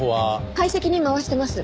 解析に回してます。